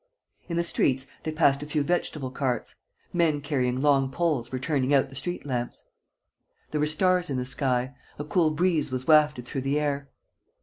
In the streets, they passed a few vegetable carts. Men carrying long poles were turning out the street lamps. There were stars in the sky. A cool breeze was wafted through the air.